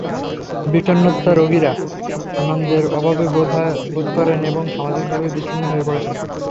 বিষণ্নতার রোগীরা আনন্দের অভাব বোধ করেন এবং সামাজিকভাবেও বিচ্ছিন্ন হয়ে পড়েন।